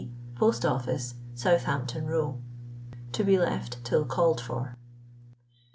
Post Office, Southampton Row. To be left till called for.